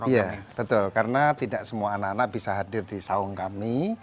iya betul karena tidak semua anak anak bisa hadir di saung kami